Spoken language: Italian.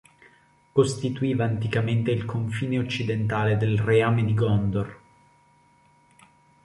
Costituiva anticamente il confine occidentale del Reame di Gondor.